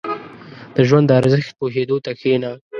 • د ژوند د ارزښت پوهېدو ته کښېنه.